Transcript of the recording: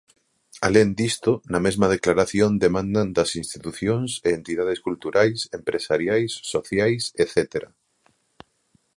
Alén disto, na mesma declaración demandan das institucións e entidades culturais, empresariais, sociais etcétera.